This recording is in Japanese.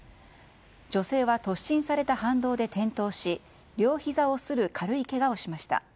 女性は突進された反動で転倒し両ひざを擦る軽いけがをしました。